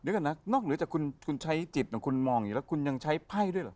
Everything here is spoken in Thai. นึกอ่ะนะนอกเหลือจากคุณใช้จิตคุณมองอยู่แล้วคุณยังใช้ไพ่ด้วยเหรอ